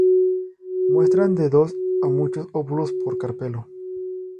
Muestran de dos a muchos óvulos por carpelo.